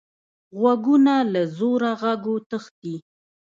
غوږونه له زوره غږو تښتي